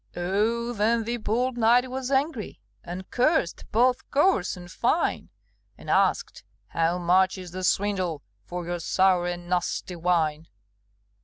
Oh, then the bold knight was angry, And cursed both coarse and fine; And asked, "How much is the swindle For your sour and nasty wine?"